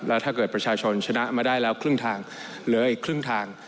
แล้วถ้าเกิดประชาชนชนะมาได้แล้วครึ่งทางเหลืออีกครึ่งทาง